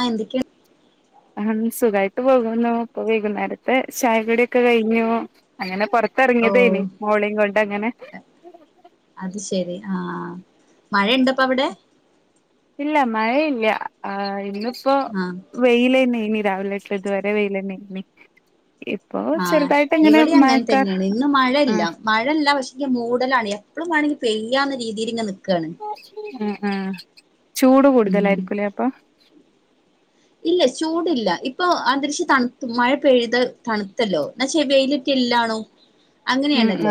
ആഹ് എന്തൊക്കെയാണ്? ആഹ് സുഖായിട്ട് പോകുന്നു ഇപ്പൊ വൈകുന്നേരത്തെ ചായ കുടിയൊക്കെ കയിഞ്ഞു അങ്ങനെ പൊറ- പെറത്ത് ഓ ഇറങ്ങിയതേനി മോളെയും കൊണ്ട് അങ്ങനെ അത് ശരി ആഹ്. മഴ ഇണ്ടൊപ്പവിടെ? ഇല്ല മഴയില്ല്യാ ആഹ് ഇന്നിപ്പോ ആ വെയിലന്നേയിനി രാവലതൊട്ടിതുവരെ വെയിലന്നേയിനി ഇപ്പോ ആ ചെറുതായിട്ടിങ്ങനെ മഴക്കാർ ആ. മഴെല്ല പക്ഷേ എങ്കി മൂടലാണ് എപ്പളും മാണെങ്കി പെയ്യാന്ന രീതിയിലിങ്ങനെ നിക്കാണ് ആഹ് ആഹ് ചൂട് ഉം കൂടുതലായിരിക്കൂലേ അപ്പൊ ഇല്ല ചൂടില്ല ഇപ്പൊ അന്തരീക്ഷം തണുത്ത് മഴ പെയ്ത് തണുത്തല്ലോ എന്നാച്ചേ വെയിലെറ്റ ഇല്ലാണും [inaudible]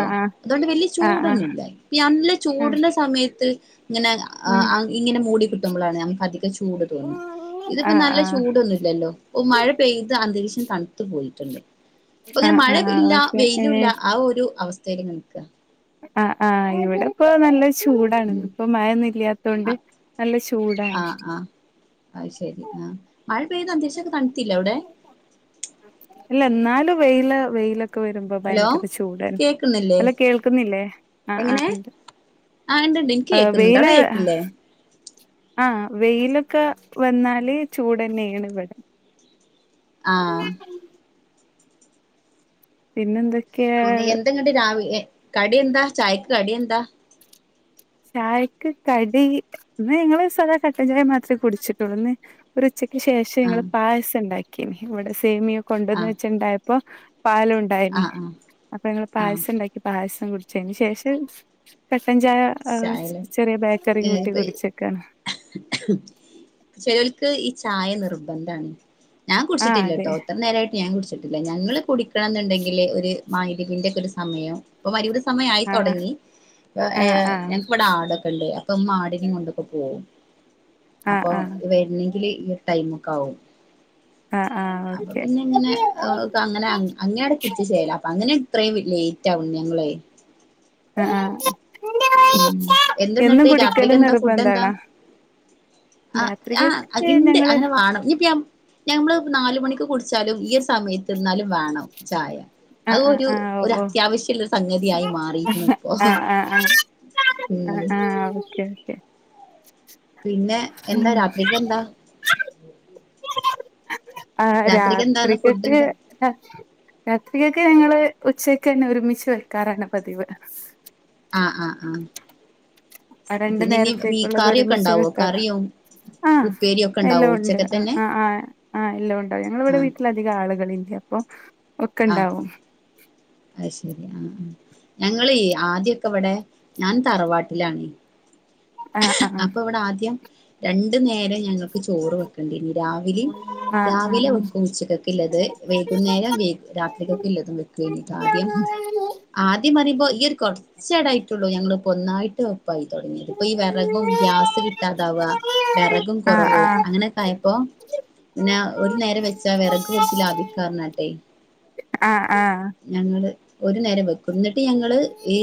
ആ ആ അതൊണ്ട് വലിയ ആ ആ ചൂടൊന്നുല്ല. നല്ല ആ ചൂടിന്റെ സമയത്ത് ഇങ്ങനെ ആഹ് ആ ഇങ്ങനെ മൂടി കിട്ടുമ്പളാണ് ഞങ്‌ക്ക് അധികം ചൂട് തോന്നുന്നെ. ആ ഇപ്പ നല്ല ചൂടൊന്നുല്ലല്ലോ, [unintelligible] മഴ പെയ്ത് അന്തരീക്ഷം തണുത്തു പോയിട്ടുണ്ട്. ആ ഇപ്പങ്ങനെ ആ മഴ ആ ഇല്ല ഓക്കെ ഏ വെയിലും ഇല്ല ആ ഒരു അവസ്ഥയില് നിക്കാ. ആഹ് ആ ഇവിടെ പ്പ നല്ല ചൂടാണ്, ഉം ഇപ്പ ആ മഴന്നില്ലാത്തോണ്ട് നല്ല ചൂടാണ്. അയ് ശരി ആഹ്, മഴ പെയ്ത് അന്തരീഷക്കെ തണുത്തില്ല അവിടെ. ഇല്ല എന്നാലും വെയില വെയില ക്ക വരുമ്പോ ഹലോ ഭയങ്കര ചൂടാണ്. കേക്കുന്നില്ലേ അല്ല കേൾക്കുന്നില്ലേ ആഹ് ആ എങ്ങനെ ഉണ്ട്. ആഹ് ഇണ്ട് ണ്ട് ഇൻക് കേക്കുന്നുണ്ട് അവട കേക്കില്ലേ? ആ വെയിലൊക്ക വന്നാല് ചൂട്ന്നെണ് ഇവ ആഹ്. പിന്നെന്തൊക്കെയാ, വ്ടങ്ങട്ട് രാവില കടി എന്താ? ചായക്ക് കടി എന്താ? ചായക്ക് കടി ഇന്ന് ഞങ്ങള് സാദാ കട്ടൻ ചായ മാത്രേ കുടിച്ചിട്ടുള്ളൂ. ഇന്ന് ഒരു ഉച്ചക്ക് ശേഷം ങ്ങള് ആഹ് പായസം ഉണ്ടാക്കി. ഇവിടെ സേമിയോ കൊണ്ടോന്ന് ആഹ് വെച്ചിണ്ടായപ്പോ പാലുണ്ടായിന് ആഹ് ആഹ് അപ്പൊ ങ്ങള് ആഹ് പായസം ഉണ്ടാക്കി. പായസം കുടിച്ചതിന് ശേഷം കട്ടൻചായ ഏഹ് ചായല്ലേ ചെറിയ ബേക്കറി കൂട്ടി കുടിച്ചക്കാണ്. ചെലോൾക്ക് ഈ ചായ നിർബന്ധണ്. ഞാൻ ആഹ് അതെ കുടിച്ചട്ടില്ലട്ടോ ഇത്ര നേരായിട്ട് ഞാൻ കുടിച്ച ട്ടില്ല. ഞങ്ങള് കുടിക്കണം ന്നുണ്ടെങ്കില് ഒരു മഹരിബിന്റെ ഒക്കെ ഒരു സമയം ഇപ്പൊ മരിബ്ന്റെ ആഹ് സമയായിത്തൊടങ്ങി ആഹ് ഏഹ് ആഹ് ഞങ്ങ്ക്ക് ഇവിടെ ആടൊക്ക ഉണ്ട്, അപ്പൊമ്മാ ആടിനയും കൊണ്ടൊക്കെ പോവും. ആഹ് അപ്പൊ ആഹ് വരുന്നെങ്കില് ഈ ടൈമക്ക ആവും. ആഹ് ആഹ് അപ്പൊ ഓക്കെ പിന്നെ ഇങ്ങനെ അങ്ങനെ അങ്ങാട് കുടിച്ച് ചേലാകും. അങ്ങനെ ഇത്രയും ലേറ്റ് ആകും ഞങ്ങളെ. ആഹ് ആ. ഉം എന്തെന്നിട്ട് കുടിക്കല് രാത്രിക്ക് എന്താ ഫുഡ് എന്താ? നിർബന്ധാണോ ആ ആഹ് രാത്രികക്ക് ഇണ്ട് ഞങ്ങള് അങ്ങനെ വാണെങ്കി [unintelligible] ഞമ്മള് നാല് മണിക്ക് കുടിച്ചാലും, ഈ സമയത്ത്ന്നാലും വേണം ചായ. ആഹ് ആഹ് അതൊരു ആഹ് ഓ ഒരു ഓ അത്യാവശ്യുള്ള സംഗതിയായി മാറിയിക്ണ് ഇപ്പോ. ആഹ് ആഹ് ആഹ് ആഹ് ആ ഓക്കെ ഓക്കേ. പിന്നെ എന്താ രാത്രിക്ക് എന്താ? ആ രാത്രിക്ക് എന്താണ് ഫുഡ് രാത്രിക്കക്ക്‌ എന്താ [unintelligible] ക്കെ ഞങ്ങള് ഉച്ചക്ക് തന്നെ ഒരുമിച്ച് വെക്കാറാണ് പതിവ്. ആഹ് ആ ആ. ആ രണ്ട് പിന്നെ ഇനി മീ നേരത്തേക്കുള്ളത് കറിയൊക്കെ ഒരുമിച്ച് ഉണ്ടാവോ വെക്കാറ് കറിയോ? ആഹ് എല്ലോം ഉണ്ട്, ആഹ് ആ ആ എല്ലാം ഉണ്ട്, ഞങ്ങള് ഇവിടെ ആ വീട്ടില അ ധിക ആളുകളില്ല അപ്പൊ ഒക്കെ ഇണ്ടാവും. അയ് ശെരി ആഹ് ആ ഞങ്ങളി ആദ്യക്കെ ഇവിടെ ഞാൻ തറവാട്ടിലാണെ ആഹ് ആഹ് അപ്പ ഇവിടെ ആദ്യം രണ്ടു നേരം ഞങ്ങൾക്ക് ചോറ് വെക്കണ്ടേനു രാവിലേം ആഹ് രാവിലെ വെക്കും ഉച്ചക്കൊക്കെ ഉള്ളത്. വൈകുന്നേരം വെ രാത്രിക്കൊക്കെ ഉള്ളതും വെക്കഴഞ്ഞിട്ട് ആദ്യം [inaudible] ആദ്യം പറയുമ്പോ ഈ ഒരു കുറച്ചടായിട്ടുള്ളൂ ഞങ്ങള്പ്പോ ഒന്നായിട്ട് ഒപ്പായി തൊടങ്ങി. ഇപ്പൊയി വെ റകും ഗ്യാസ് കിട്ടാതാവുക വിറകും ആഹ് ആഹ് കുറവ് അങ്ങനെയൊക്കെ ആയപ്പോ പിന്നെ ഒരു നേരം വെച്ചാ വെറക് കുറച്ച് ലാഭിക്കാറനട്ടെ ആഹ് ആഹ് ഞങ്ങള് ഒരു നേരം വെക്കുന്നിട്ട് ഞങ്ങള് ഈ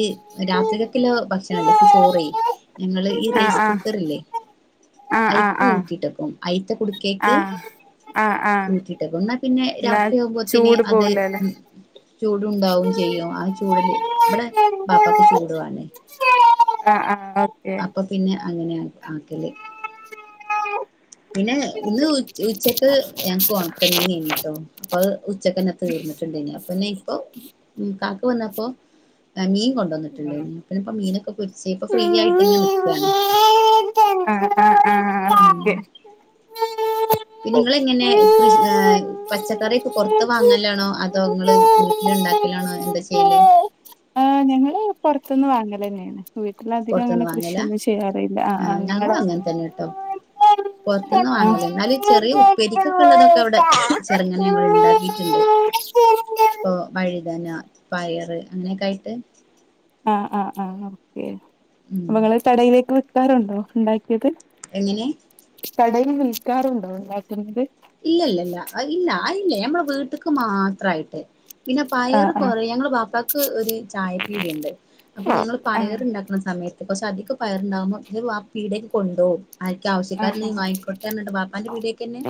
രാത്രികക്കില്ലെ ഭക്ഷണല്ലേ ചോറീ ഞങ്ങള് ഈ ആഹ് റൈസ് കുക്കർല്ലേ ആഹ് ആഹ് അയ്ക്ക് ആഹ് ഊറ്റിട്ടക്കും. അയ്ത്ത കുടു ആഹ്. ആഹ് ആഹ് ഊറ്റിട്ടക്കും ന്നാ പിന്നെ എന്നാ രാത്രിയാകുമ്പോയത്തിന് ചൂട് അത് പോവൂലല്ലേ ഉം. ചൂടുണ്ടാവും ചെയ്യും ആ ചൂട്ല് ഇബടെ ബാപ്പക്ക് ചൂടുവാണ്. ആഹ് ആഹ് ഓക്കെ. പിന്നെ അങ്ങനെ ആക്കല് പിന്നെ ഇന്ന് ഉ ഓക്കെ ച്ച ഉച്ചക്ക് ഞങ്ങക്ക് ഒണക്ക മീനേനിട്ടോ. അപ്പൊത് ഉച്ചക്കന്നെ തീർന്നിട്ടുണ്ടേനി അപ്പൊന്നെ ഇപ്പൊ ഉ കാക്കു വന്നപ്പോ മീൻ കൊണ്ടുന്നട്ടുണ്ടേയ്ന്നു പിന്നെപ്പ മീനൊക്കെ പൊരിച്ച് ഇപ്പൊ ഫ്രീ ആയിട്ട് ഇങ്ങെ നിക്കാണ്. ആഹ് ആഹ് ആഹ് ഉം കെ. പിന്നെ നിങ്ങളെങ്ങനെ കൃഷ് ഏഹ് പച്ചക്കറിയൊക്കെ പുറത്ത് വാങ്ങലാണോ അതോ നിങ്ങള് വീ ട്ടില് ഇണ്ടാക്കലാണോ എന്താ ചെയ്യല് ആഹ് ഞങ്ങൾ പുറത്തൊന്ന് വാങ്ങലെന്നേണ്. വീട്ടിലധികം പൊറത്ത്ന്ന് അങ്ങനെ വാങ്ങലാ കൃഷിയൊന്നും ചെയ്യാറില്ല ആഹ് ആഹ് നിങ്ങളോ പൊർത്തുന്ന് വാങ്ങല എന്നാല് ചെറീ ഉപ്പരിക്കൊക്കെ ഉള്ളതൊക്കെ അവിടെ ചെറുങ്ങനെ ഞങ്ങൾ ഇണ്ടാക്കീട്ടുണ്ട്. പ്പൊ വഴുതന പയറ് അങ്ങനൊക്കെ ആയിട്ട്. ആഹ് ആഹ് ആഹ് ഓക്കെ ഉം അപ്പങ്ങള് കടയിലേക്ക് വിക്കാറുണ്ടോ ഉണ്ടാക്കിയത്. എങ്ങിനെ കടയിൽ വിൽക്കാറുണ്ടോ ഉണ്ടാക്കുന്നത്. ഇല്ല ഇല്ല ഇല്ല ഇല്ല അയല്ലെ ഞമ്മളെ വീട്ട്ക്ക് മാത്രായിട്ട്. പിന്നെ പയറ് ആഹ് കുറേ ഞങ്ങള ബാപ്പാക്ക് ഒരു ചായപ്പീടിയണ്ട് അപ്പൊ ആഹ് ഞങ്ങള് ആഹ് പയറുണ്ടാ ന്ന സമയത്ത് കുർച്ച് അധിക പയർണ്ടാകുമ്പോ വാ പീടിയേക്ക് കൊണ്ടോവും. ആർക്കെ ആഹ് ആവശ്യക്കാര്ണ്ടെയ് ആഹ് വാങ്ങിക്കോട്ടേന്നറഞ്ഞ്ട്ട് ബാപ്പാന്റെ പീടിയേയ്ക്കെന്നെ.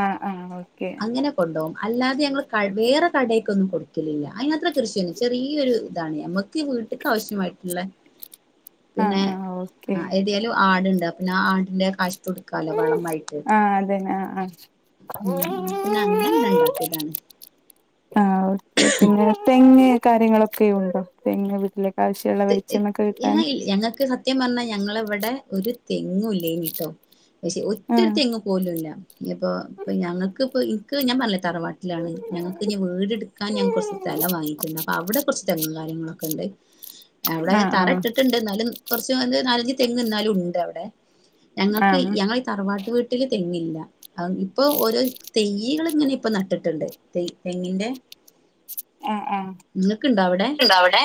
ആഹ് ആഹ് ഓക്കെ. അങ്ങനെ കൊണ്ടോവും അല്ലാതെ ഞങ്ങള് ക വേറെ കടേക്കൊന്നും കൊടുക്കലില്ല അതിനാത്രം കൃഷിയൊന്ന് ചെറീയൊരു താണ് ഞമ്മക്ക് ഈ വീട്ട്ക്ക് ആവശ്യമായിട്ടുള്ള ആഹ് പിന്നെ ആഹ് ഓക്കെ ആ ഏത്യേലും ആട്ണ്ട് അപ്പൊ പിന്നെ ആ ആടിന്റെ കഷ്ടൊട് ക്കാലോ വളമായിട്ട് ആഹ് അതന്നെ ആഹ് ആഹ് ഉം ഉം പിന്നെ അങ്ങനെങ്ങനെ ഉണ്ടാക്കീതാണ്. ആഹ് ഓക്കെ പിന്നെ തെങ് കാര്യങ്ങളൊക്കെയ ഉണ്ടോ തെങ് വീട്ടില്. ആവശ്യള്ള വെളിച്ചണ്ണക്കെ കിട്ടാൻ. ഞങ്ങൾക്ക് സത്യം പറഞ്ഞാൽ ഞങ്ങളിവിടെ ഒരു തെങ്ങും ഇല്ലേനുട്ടോ പക്ഷെ ഒറ്റൊരു ആഹ് തെങ്ങു പോലുല്ലാ ഇഞ്ഞിപ്പൊ ഞങ്ങക്ക്പ്പൊ ഇൻക്ക് ഞാൻ പറഞ്ഞില്ലേ തറവാട്ട്ലാണ് ന്ന് ഞങ്ങൾക്ക്ഞ്ഞി വീടട് കാൻ ഞാൻ കൊറച്ച് സ്ഥലം വാങ്ങീട്ടുണ്ട് അപ്പൊ അവ്ടെ കൊറച്ച് തെങ്ങും കാര്യങ്ങളൊക്കെണ്ട്. അവിടെ ആഹ് തറ ആഹ് ഇട്ടിട്ടുണ്ട് ന്നാലും കുറച്ച് നാലഞ്ച് തെങ്ങ്ന്നാലും ഉണ്ട് അവ്ടെ. ഞങ്ങക്ക് ആഹ് ഞങ്ങളീ തറവാട്ട് വീട്ടില് തെങ്ങില്ല. ഇപ്പൊ ഓരോ തയ്യികള് ഇങ്ങനെ ഇപ്പ നട്ടിട്ടുണ്ട് ത തെങ്ങിന്റെ. അഹ് ആഹ് നിങ്ങൾക്കുണ്ടോ അവിടെ ഉണ്ടോ അവിടെ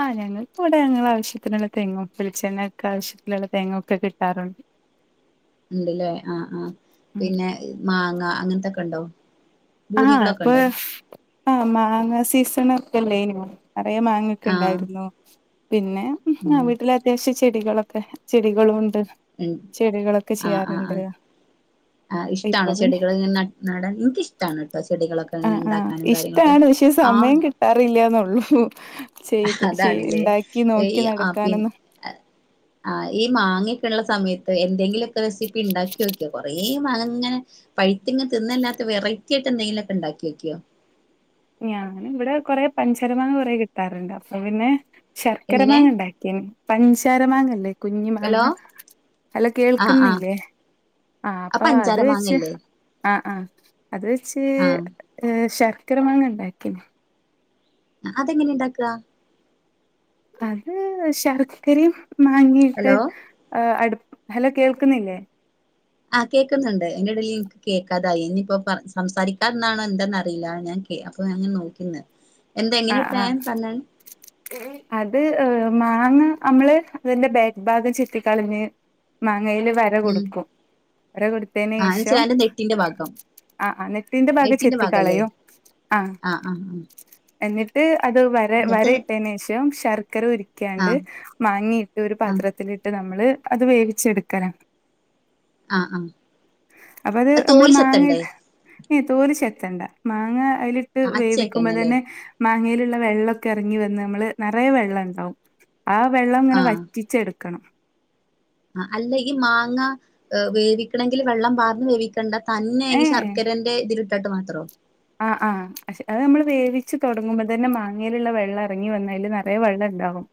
ആഹ് ഞങ്ങൾക്ക് ഇവ്ടെ ഞങ്ങളെ ആവശ്യത്തിനുള്ള തെങ്ങും വെളിചെണ്ണക്കെ ആവശ്യത്തിനുള്ള തേങ്ങ ഒക്കെ കിട്ടാറുണ്ട്. ഇണ്ട്ല്ലേ ആഹ് ആഹ് ഉം പിന്നെ മാങ്ങ അങ്ങനത്തൊക്കെ ഇണ്ടോ? ആഹ് ഇപ്പോ ആഹ് മാങ്ങ സീസൺ ഒക്കെല്ലേയ്നോ കൊറേ മാങ്ങ ആഹ് ക്കെണ്ടാരുന്നു പിന്നെ ഹും ഉം വീട്ടിലത്യാശ്യം ചെടികളൊക്കെ ചെടികളൂണ്ട് ഉം ആഹ് ആഹ് ആഹ് ആഹ് ഇപ്പൊ ഇഷ്ടാണോ പിന്നെ ചെടികള് ഇങ്ങനെ ന നടാൻ ഇൻക്കിഷ്ടാണ് ട്ടോ ചെടികളൊക്കെ ഇങ്ങൻ ആഹ് ഇണ്ടാക്കാനും കാര്യങ്ങളക്കെ ആഹ് അറീല്ലന്നൊള്ളൂ ചെയ്ത് ചെയ് അതാണില്ലേ ഇണ്ടാക്കി നോക്കി ഈ ആഹ് പി നടക്കാനൊന്നും ആഹ് ഈ മാങ്ങൊക്കെ ഉള്ള സമയത്ത് എന്തെങ്കിലുക്കെ റെസിപ്പി ണ്ടാക്കി നോക്ക്യോ കൊറേ മാങ്ങേങ്ങനെ. പഴുത്തിങ്ങ് തിന്നല്ലാത്തെ വെറൈറ്റി ആയിട്ടെന്തങ്കിലൊക്കെ ഇണ്ടാക്കി യോക്കിയോ? ഞാനിവടെ കൊറെ പഞ്ചരമാങ്ങ കൊറേ കിട്ടാറുണ്ട് അപ്പോ പിന്നെ ശർക്കര എങ്ങനെ മാങ്ങ ഇണ്ടാ പിന പഞ്ചര മാങ്ങല്ലേ കുഞ്ഞി മാങ്ങ ഹലോ അലോ ആഹ് ആഹ് കേൾക്കുന്നില്ലേ? ആഹ് ആ അപ്പ അത് പഞ്ചാര വെച്ച് മാങ്ങല്ലേ ആഹ് ആഹ് അത് വെച്ച് ആഹ് ഏഹ് ശർക്കര മാങ്ങ ഇണ്ടാക്കിന് അതെങ്ങനെ ഇണ്ടാക്കാ അത് ശർക്കരേം മാങ്ങേട്ട് ഹലോ ആഹ് അടു ഹലോ കേൾക്കുന്നില്ലേ ആഹ് കേക്കുന്നുണ്ട് അയിന്റെടെല് എനിക്ക് കേക്കാതായി ഇനിപ്പോ സംസാരിക്കാ [unintelligible] എന്താന്നറിയില്ല ഞാൻ കേ ക്കെ അപ്പോ ഞാൻ അങ്ങനെ നോക്കുന്ന് ആഹ് ആഹ് അത് ഏഹ് മാങ്ങ നമ്മള് അതിന്റെ ബാക്ക് ബാഗം ചെത്തിക്കളഞ്ഞ് മാങ്ങേല് വര ഉം കൊടുക്കും വര കൊടുത്തേന് ആഹ് എന്ന് ശേഷം വെച്ചാ അതിന്റെ നെറ്റിന്റെ ഭാഗം ആഹ് ആന്നിട്ട് ഇതിന്റെ ഭാഗ നെറ്റിന്റെ ഭാഗല്ലേ ചെത്തിക്കളയു ആഹ് ആഹ് ആഹ് എന്നിട്ട് അത് വര വര എന്നിട്ട് ഇട്ടേനെഷം ശർക്കര ഉരു ക്കിയാണ്ട് ആഹ് മാങ്ങയിട്ട് ഒരു ആഹ് പാത്രത്തിലിട്ട് നമ്മള് അത് വേവിച്ചെടുക്കണം ആഹ് ആഹ് അപ്പ അത് നമ്മള് തോല് മാങ്ങ ചെത്തണ്ടേ ഏഹ് തോല് ശേത്തണ്ടാ മാങ്ങ അയിലിട്ട് വേവിക്കുമ്പോ അച്ചേക്കന്നെല്ലേ തന്നെ മാങ്ങേലിള്ള വെള്ളക്കെ എറങ്ങി വന്ന് നമ്മള് നെറയെ വെള്ളം ഇണ്ടാവും ആഹ് വെള്ളം ഇങ്ങനെ ആഹ് വറ്റിച്ചെടുക്കണം ആഹ് അല്ല ഈ മാങ്ങ വേവിക്കണങ്കില് വെള്ളം പാർന്ന് വേവി ക്കണ്ട തന്നെ ഈ ഏഹ് ശർക്കരന്റെ ഇതിലിട്ടിട്ട് മാത്രോ? ആഹ് ആഹ് അത് നമ്മള് വേവിച്ച് തൊടങ്ങുമ്പോ തന്നെ മാങ്ങേലിള്ള വെള്ളം എറങ്ങി വന്നയില് നെറയെ വെള്ളം ഇണ്ടാകും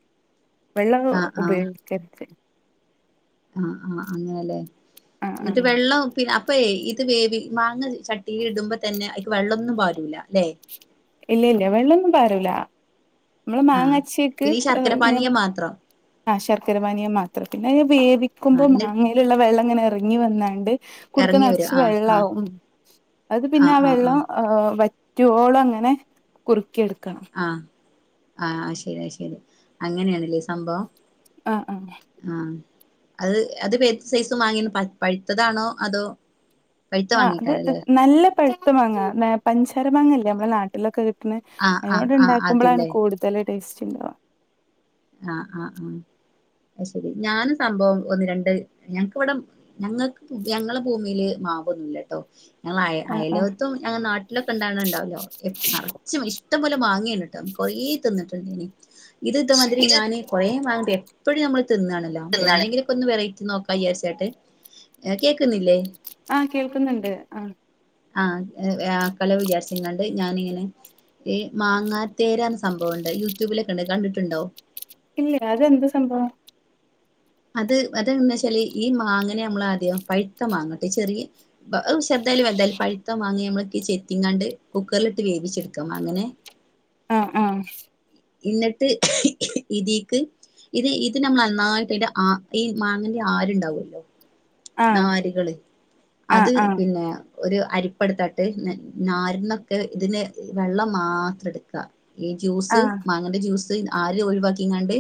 വെള്ളം ആഹ് ആഹ് ഉപയോഗിക്കര്ത് ആഹ് ആഹ് അങ്ങനെയല്ലേ ആഹ് എന്നിട്ട് ആഹ് വെള്ളം പിന്നെ അപ്പയെ ഇത് വേബി മാങ്ങ ചട്ടിലിടുമ്പോ തന്നെ അയ്ക്ക് വെള്ളൊന്നും പാരുലാല്ലേ ഇല്ല ഇല്ല വെള്ളവോന്നും പാരൂല നമ്മള് ആഹ് മാങ്ങാച്ചിയക്ക് പിന്നെ ഈ ശർക്കര പാനീയം [unintelligible] മാത്രം ആഹ് ശർക്കര പാനിയം മാത്രം പിന്നെ വേവിക്കുമ്പോ ആഹ് എന്നിട്ട് മാങ്ങലിള്ള വെള്ളം ഇങ്ങനെ എറങ്ങി വന്നണ്ട് കുടുക്ക എറങ്ങി വരും നെറച്ച് ആഹ് ആഹ് വെള്ളാവും അത് പിന്നെ ആഹ് വെള്ളോം ആഹ് വറ്റുവോളം അങ്ങനെ കുറുക്കിയെടുക്കണം. ആഹ് ആഹ് അയ്ശെരി ശെരി അങ്ങനെയാണല്ലേ സംബവം ആഹ് ആഹ് ആഹ് അത് [unintelligible] സൈസും വാങ്ങിന് പഴുത്തതാണോ അതോ? പഴുത്ത ആഹ് അത് മാങ്ങേക്കാരല്ലേ നല്ല പഴുത്ത മാങ്ങ പഞ്ചാര മാങ്ങല്ലേ നമ്മളെ നാട്ടിലൊക്കെ കി ട്ട്ന്നെ ആഹ് ആഹ് അയിനോട് ആഹ് അത് ഇണ്ടാക്കുമ്പോഴാണ് ല്ലേ കൂടുതൽ ടേസ്റ്റ് ഇണ്ടാവുക. ആഹ് ആഹ് ആഹ് അത് ശെരി ഞാന് സംഭവം ഒന്ന് രണ്ട് ഞങ്ങക്ക് ഇവടം ഞങ്ങക്ക് ഞങ്ങളെ ഭൂമില് മാവൊന്നു ഇല്ലട്ടോ ഞങ്ങ അയല് ആഹ് അയല് ആഹ് വത്തും ഞങ്ങ നാട്ടിലൊക്കെ ഇണ്ടാവണ ണ്ടാവല്ലോ നെറച്ച് ഇഷ്ടംപോലെ മാങ്ങയിണ്ടിട്ട കൊറേ തിന്നിട്ടുണ്ട് ഇനി. ഇത് ഇതെമാതിരി ഇത് ഞാന് കൊറെ മാങ്ങണ്ട് എപ്പഴും നമ്മള് തിന്നാണല്ലോ തിന്നാണ് എന്തെങ്കിലും. ഒന്ന് വെറൈറ്റി നോക്കാ വിയാരിച്ചിട്ട് കേക്കുന്നില്ലേ. ആഹ് കേൾക്കുന്നുണ്ട് ആ. ആ അകല വിജാരിച്ചിങ്ങാണ്ട് ഞാനിങ്ങനെ. ഏ മാങ്ങാത്തേരാ എന്ന സംഭവോണ്ട് യൂട്യൂബിലൊക്കെണ്ട് കണ്ടിട്ടുണ്ടോ. ഇല്ല അതെന്ത് സംഭവം. അത് അതന്ന് വെച്ചാല് ഈ മാങ്ങനെ നമ്മളാദ്യം പഴുത്ത മാങ്ങട്ടെ ചെറിയ. [unintelligible] ചെറുതായാലും വലുതായാലും പഴുത്ത മാങ്ങേമ്മള് ചെത്തിങ്ങാണ്ട് കുക്കറിലിട്ട് വേവിച്ചെടുക്കാം അങ്ങനെ. ആഹ്, ആഹ്. എന്നിട്ട് ഇതിക്ക് ഇത് ഇത് നമ്മൾ നന്നായിട്ട് അന്റെ. ആ ഈ മാങ്ങന്റെ ആരുണ്ടാവുല്ലോ. ആഹ് നാര്കള് അത് ആഹ് പിന്നെ. ഒരു അരിപ്പ എടുത്തിട്ട് നാര്ന്നൊക്കെ ഇതിന് വെള്ളം മാത്രം എടുക്ക. ഈ ആഹ് ജ്യൂസ് ആഹ് മാങ്ങന്റെ ജ്യൂസ് ആര് ഒഴിവാക്കിങ്ങാണ്ട്.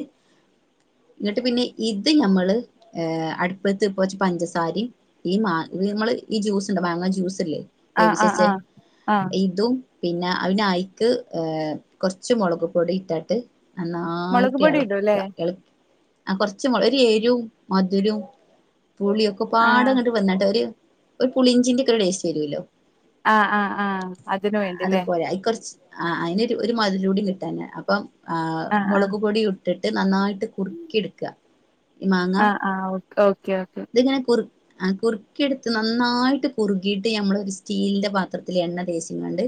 എന്നിട്ട് പിന്നെ ഇത് ഞമ്മള് ഏഹ് അടുപ്പത്ത് ഇപ്പൊ ച്ച് പഞ്ചസ സാരിം ഈ മാ ഈ മ്മള് ഈ ജ്യൂസ്ണ്ട് മാങ്ങ ജ്യൂസ് ഇല്ലേ. ആഹ് വേവിച്ച് ആഹ് വെച്ചേ ആഹ് ആഹ് ഇതും. പിന്ന പിന്നെ അയ്ക്ക് ഏഹ് കൊർച്ച് മൊളക് പൊടി ഇട്ടാട്ട്. മുളക് നന്നായിട്ട് പൊടി ഇടുംല്ലേ എളക്ക എളക്കി ആഹ് കൊറച്ച് മൊള ഒരു എരും മധുരോം പുളിയൊക്കെ ആഹ് പാടെങ്ങട്ട് വന്നിട്ട് ഒര്. ഒരു പുളിഞ്ചിന്റെക്കെ ഒരു ടേസ്റ്റ് വരോല്ലോ ആഹ് ആഹ് ആഹ് അതിന് അത് വേണ്ടില്ലേ പോലെ അയ് കൊർച്ച്. ആഹ് അയ്ന് ഒരു ഒരു മധ് രൂടി കിട്ടാന അപ്പം ആഹ് മൊളക് പൊടിയും. ഇട്ടിട്ട് നന്നായിട്ട് കുറുക്കി എടുക്ക ഈ മാങ്ങ ആഹ് ആഹ് ഓക്കെ ഓക്കെ ഇത്ങ്ങനെ. കുർ ആഹ് കുറുക്കിയെടുത്ത് നന്നായിട്ട് കുറുകിയിട്ട് ഞമ്മളൊര് സ്റ്റീലിന്റെ പാത്രത്തിൽ എണ്ണ തേച്ച്ങ്ങാണ്ട്.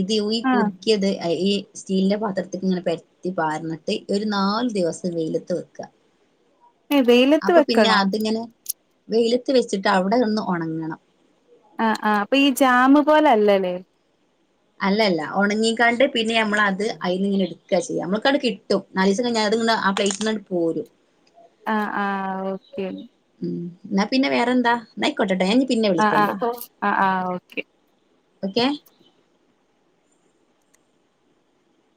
ഇത് ഈ ആഹ് കുറുക്കിയത് അയ് സ്റ്റീലിന്റെ പാത്രത്ത്ക്ക് ഇങ്ങനെ പരത്തി പാർന്നിട്ട് ഒരു നാല് ദിവസം വെയിലത്ത് വെക്ക. ഏഹ് വെയിലത്ത് വെക്കണോ? അതിങ്ങനെ വെയിലത്ത് വെച്ചിട്ട് അവിടെ നിന്ന് ഒണങ്ങണം. ആഹ്, ആഹ് അപ്പൊ ഈ ജാമ് പോല അല്ലലേ. അല്ലല്ല ഒണങ്ങിക്കാണ്ട് പിന്നെ ഞമ്മളത് അയ്ന് ഇങ്ങനെ ഇട് ക്കാ ചെയ്യ നമ്മൾക്കാട് കിട്ടും നാലീസം കഴിഞ്ഞ അത്ങ്ങനെ ആ പ്ലേറ്റിലങട് പോരും. ആഹ്, ആഹ് ഓക്കെ. ഉം ന്നാ പിന്നെ വേറെന്താ ന്നാ ആയിക്കോട്ടെട്ടോ ഞാൻ ഇനി പിന്നെ ആഹ് വിളിക്കണ്ട്. ആഹ് ആഹ് ആഹ് ഓക്കെ ഓക്കെ.